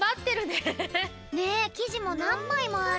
ねっきじもなんまいもある。